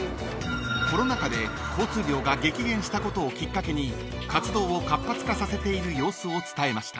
［コロナ禍で交通量が激減したことをきっかけに活動を活発化させている様子を伝えました］